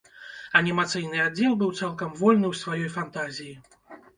Анімацыйны аддзел быў цалкам вольны ў сваёй фантазіі.